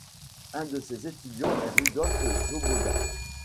Un de ses étudiants est Rudolf Swoboda.